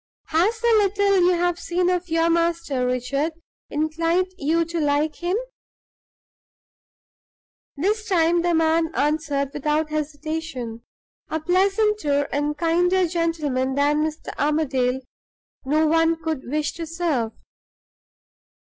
"Has the little you have seen of your master, Richard, inclined you to like him?" he asked. This time the man answered without hesitation, "A pleasanter and kinder gentleman than Mr. Armadale no one could wish to serve."